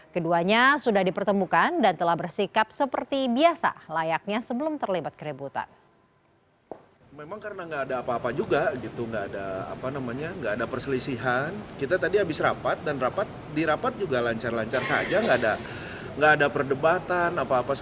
keduanya sudah dipertemukan dan telah bersikap seperti biasa layaknya sebelum terlibat keributan